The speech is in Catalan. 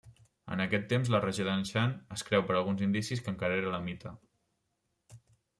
En aquest temps la regió d'Anshan es creu per alguns indicis que encara era elamita.